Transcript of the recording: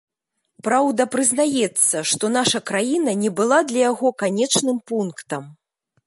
Праўда, прызнаецца, што наша краіна не была для яго канечным пунктам.